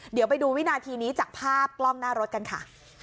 เดี๋ยวไปดูวินาทีนี้จากภาพกล้องหน้ารถกันค่ะ